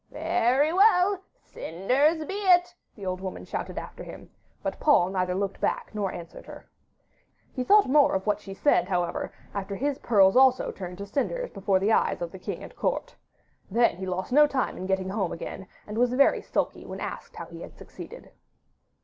'Very well, cinders be it,' the old woman shouted after him, but Paul neither looked back nor answered her. He thought more of what she said, however, after his pearls also turned to cinders before the eyes of king and court: then he lost no time in getting home again, and was very sulky when asked how he had succeeded.